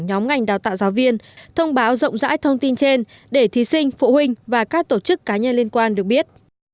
nhóm ngành đào tạo giáo viên thông báo rộng rãi thông tin trên để thí sinh phụ huynh và các tổ chức cá nhân liên quan được biết